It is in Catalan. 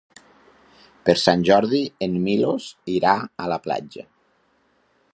Per Sant Jordi en Milos irà a la platja.